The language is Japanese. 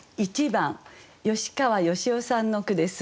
１番吉川佳生さんの句です。